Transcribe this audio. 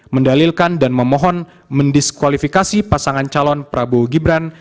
mendalilkan dan memohon mendiskualifikasi pasangan calon prabowo gibran